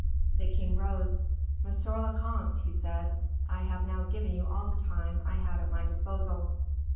The king rose. "Monsieur le comte," he said, "I have now given you all the time I had at my disposal."